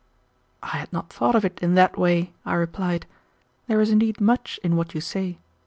"I had not thought of it in that way," I replied. "There is indeed much in what you say.